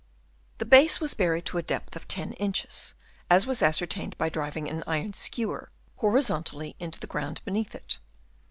The base was buried to a depth of 10 inches, as was ascertained by driving an iron skewer horizontally into the ground beneath it.